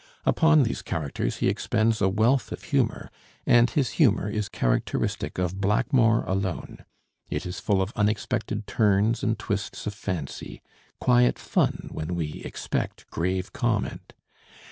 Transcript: Upon these characters he expends a wealth of humor, and his humor is characteristic of Blackmore alone. It is full of unexpected turns and twists of fancy, quiet fun when we expect grave comment.